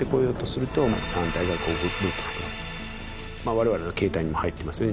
我々の携帯にも入ってますよね